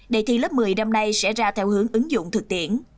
đề thi lớp một mươi năm nay sẽ ra theo hướng ứng dụng thực tiễn